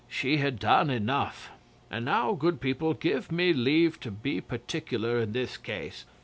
She had done enough. 'And now, good people, give me leave to be particular in this case.